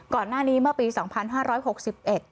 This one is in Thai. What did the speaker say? ก่อนหน้านี้เมื่อปีสองพันห้าร้อยหกสิบเอ็ด